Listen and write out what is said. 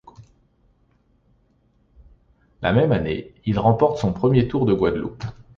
La même année, il remporte son premier Tour de Guadeloupe.